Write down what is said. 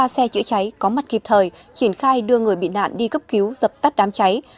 ba xe chữa cháy có mặt kịp thời triển khai đưa người bị nạn đi cấp cứu dập tắt đám cháy